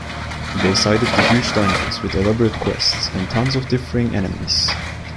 They cited the Huge dungeons with elaborate quests and tons of differing enemies.